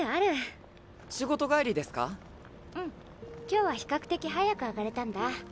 今日は比較的早く上がれたんだ。